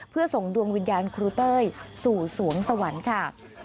เพื่อส่งดวงวิญญาณครูเต้ยสู่สวงสวรรค์ค่ะ